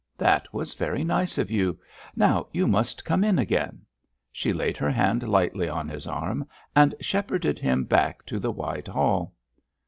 "That was very nice of you; now you must come in again." She laid her hand lightly on his arm and shepherded him back to the wide hall.